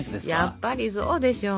やっぱりそうでしょう！